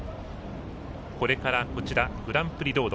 これからグランプリロード